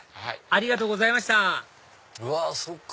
ありがとうございましたうわそっか！